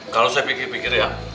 kalau saya pikir pikir ya